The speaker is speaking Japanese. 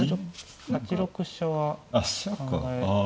８六飛車は考え。